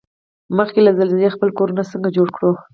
مخکې له زلزلې خپل کورنه څنګه جوړ کوړو؟